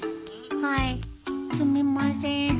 はいすみません。